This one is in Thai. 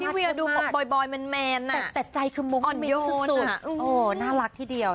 พี่เวียดูบ่อยแมนน่ะอ่อนเยอะสุดน่ารักที่เดียว